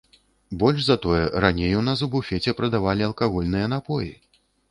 Больш за тое, раней у нас у буфеце прадавалі алкагольныя напоі.